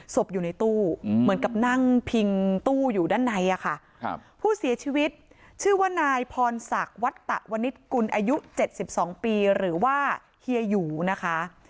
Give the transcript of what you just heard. ศพอยู่ในตู้เหมือนกับนั่งพิงตู้อยู่ด้านในอะค่ะผู้เสียชีวิตชื่อว่านายพรศักดิ์วัตตะวนิษฐกุลอายุ๗๒ปีหรือว่าเฮียหยูนะคะ